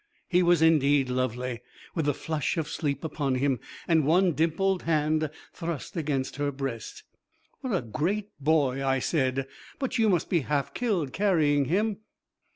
He was indeed lovely, with the flush of sleep upon him and one little dimpled hand thrust against her breast. 'What a great boy!' I said. 'But you must be half killed carrying him.'